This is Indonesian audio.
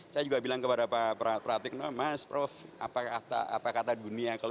saya juga bilang kepada pak pratikno mas prof apa kata dunia